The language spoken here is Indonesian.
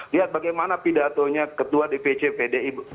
lihat bagaimana pidatonya ketua dpc pdi